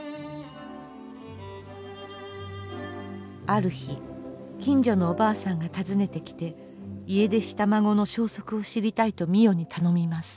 ある日近所のおばあさんが訪ねてきて家出した孫の消息を知りたいと美世に頼みます。